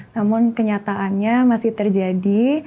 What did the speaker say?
namun kenyataannya masih terjadi